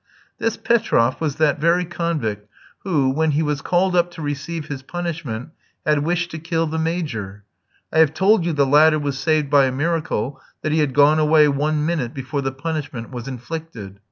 This Petroff was that very convict who, when he was called up to receive his punishment, had wished to kill the Major. I have told you the latter was saved by a miracle that he had gone away one minute before the punishment was inflicted.